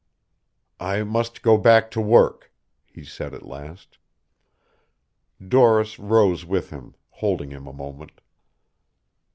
"I must go back to work," he said at last. Doris rose with him, holding him a moment.